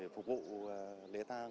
phục vụ lễ tàng